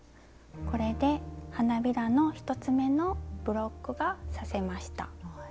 これで花びらの１つ目のブロックが刺せました。